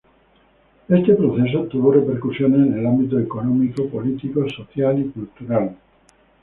Este proceso tuvo repercusiones en el ámbito económico, político, social y cultural.